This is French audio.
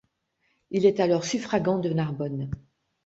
Il est alors suffragant de Narbonne.